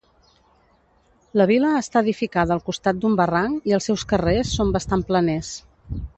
La vila està edificada al costat d'un barranc i els seus carrers són bastants planers.